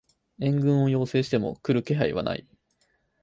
援軍を要請しても来る気配はない